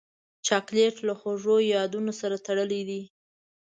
چاکلېټ له خوږو یادونو سره تړلی دی.